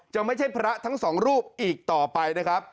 จะไม่ใช่พระทั้งสองรูปอีกต่อไปนะครับ